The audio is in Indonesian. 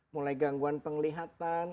mulai gangguan penglihatan